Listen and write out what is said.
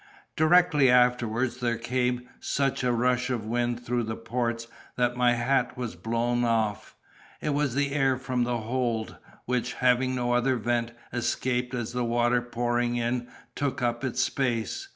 Directly afterwards there came such a rush of wind through the ports, that my hat was blown off. It was the air from the hold, which, having no other vent, escaped as the water pouring in took up its space.